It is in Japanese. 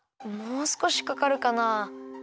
もうすこしかかるかな。